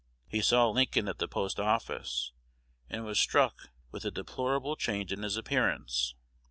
He saw Lincoln at the post office, and was struck with the deplorable change in his appearance.